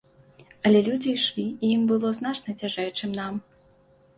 Але людзі ішлі, і ім было значна цяжэй, чым нам.